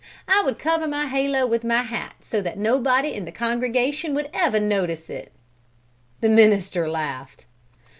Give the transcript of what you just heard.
I would cover my halo with my hat so that nobody in the congregation would ever notice it!" The minister laughed.